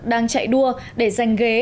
đang chạy đua để giành ghế